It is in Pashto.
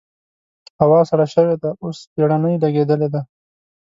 هوا سړه شوې ده؛ اوس پېړنی لګېدلی دی.